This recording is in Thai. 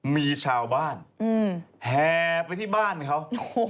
มีชาวบ้านแห่ไปที่บ้านเขา